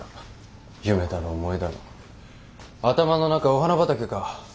夢だの思いだの頭の中お花畑か。